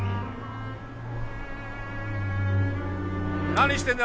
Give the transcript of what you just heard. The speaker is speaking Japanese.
何してるんだ？